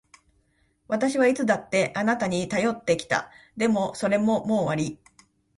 私はいつだってあなたに頼ってきた。でも、それももう終わり。